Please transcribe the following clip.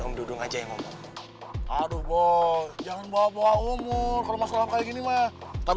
om dudung aja yang ngomong aduh bo jangan bawa bawa umur kalau masuk kayak gini mah tapi